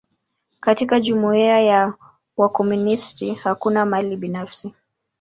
Katika jumuia ya wakomunisti, hakuna mali binafsi.